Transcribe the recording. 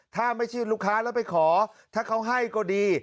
ถ้าไม่ใช่ลูกค้าแล้วไปขอถ้าเขาให้ก็ดี